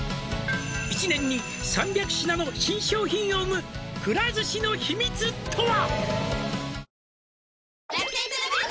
「１年に３００品の新商品を生む」「くら寿司の秘密とは」